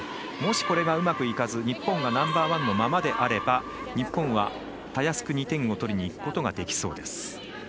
もし、これがうまくいかず日本がナンバーワンのままであれば日本は、たやすく２点を取りにいくことができそうです。